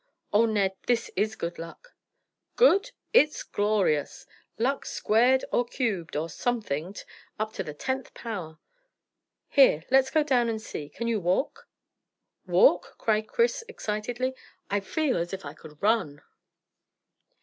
"Oh, Ned, this is good luck!" "Good? It's glorious! Luck squared or cubed, or somethinged, up to the tenth power. Here, let's go down and see. Can you walk?" "Walk?" cried Chris excitedly. "I feel as if I could run!"